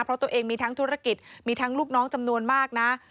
เพราะตัวเองมีทั้งธุรกิจมีทั้งลูกน้องจำนวนมากนะ